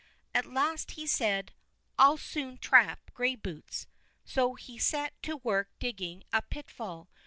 At last he said: "I'll soon trap Grayboots," and so he set to work digging a pitfall.